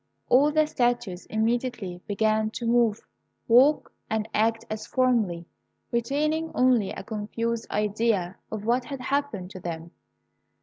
All the statues immediately began to move, walk, and act as formerly, retaining only a confused idea of what had happened to them.